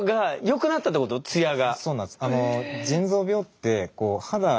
そうなんです。